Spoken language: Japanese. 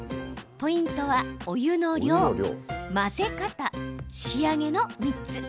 ポイントはお湯の量、混ぜ方、仕上げの３つ。